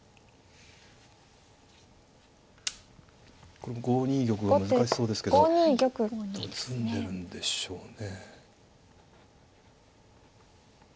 これも５二玉が難しそうですけど詰んでるんでしょうね。